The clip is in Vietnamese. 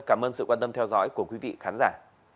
cảm ơn sự quan tâm theo dõi của quý vị khán giả